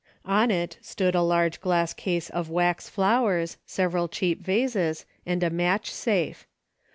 On it stood a large glass case of Avax fioAvers, several cheap vases, and q, matph safe.